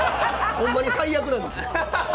ほんまに最悪なんですよ。